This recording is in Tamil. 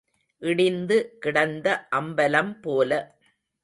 இடிந்து கிடந்த அம்பலம் போல.